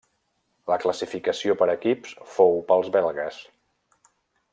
La classificació per equips fou pels belgues.